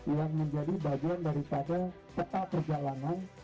yang menjadi bagian dari sada seta perjalanan